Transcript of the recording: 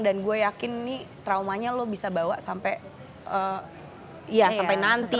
dan gue yakin ini traumanya lo bisa bawa sampai ya sampai nanti gitu